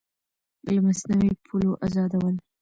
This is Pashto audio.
له مصنوعي پولو ازادول